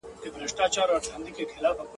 نیم وجود دي په زړو جامو کي پټ دی!.